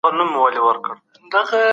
سیاستوال څنګه د کارګرانو ساتنه کوي؟